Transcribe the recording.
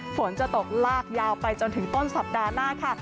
ฝนจะตกลากยาวไปจนถึงต้นสัปดาห์หน้าค่ะ